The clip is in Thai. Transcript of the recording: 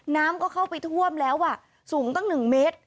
น้ำก็เข้าไปท่วมแล้วสูงตั้ง๑เมตร